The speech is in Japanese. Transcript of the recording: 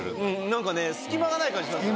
何かね隙間がない感じします